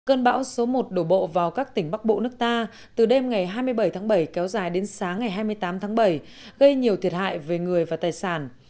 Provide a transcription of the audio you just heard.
cơn bão số một đổ bộ vào các tỉnh bắc bộ nước ta từ đêm ngày hai mươi bảy tháng bảy kéo dài đến sáng ngày hai mươi tám tháng bảy gây nhiều thiệt hại về người và tài sản